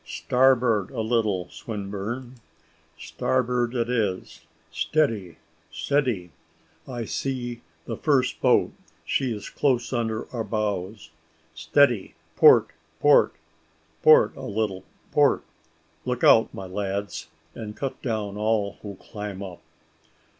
"Starboard a little, Swinburne." "Starboard it is." "Steady steady: I see the first boat, she is close under our bows. Steady port port port a little port. Look out, my lads, and cut down all who climb up."